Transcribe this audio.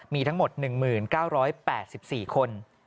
มีทั้งหมด๑๙๘๔คน